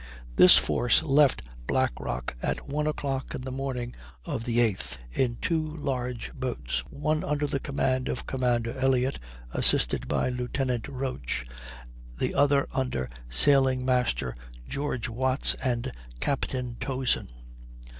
This force left Black Rock at one o'clock on the morning of the 8th in two large boats, one under the command of Commander Elliott, assisted by Lieutenant Roach, the other under Sailing master George Watts and Captain Towson.